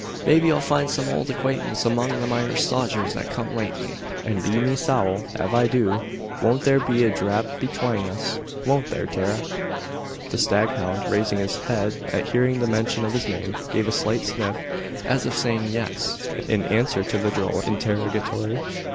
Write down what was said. Maybe I'll find some owld acquaintance among them Irish sodgers that's come lately; an be me sowl, av I do, won't there be a dhrap betwane us won't there, Tara?" The staghound, raising his head at hearing the mention of his name, gave a slight sniff, as if saying "Yes" in answer to the droll interrogatory.